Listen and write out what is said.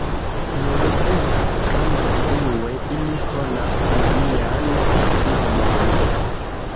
Nun, estas tro malfrue, ili konas mian nomon.